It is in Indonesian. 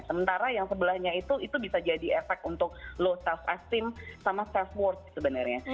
sementara yang sebelahnya itu bisa jadi efek untuk low self as team sama self worth sebenarnya